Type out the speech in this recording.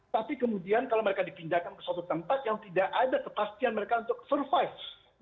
tapi kemudian kalau mereka dipindahkan ke suatu tempat yang tidak ada kepastian mereka untuk survive